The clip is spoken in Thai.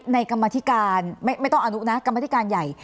กรรมธิการไม่ต้องอนุนะกรรมธิการใหญ่